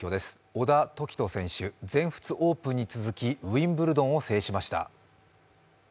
小田凱人選手、全仏オープンに続きウィンブルドンを制しました。